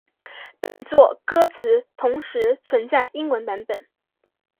本作歌词同时存在英文版本。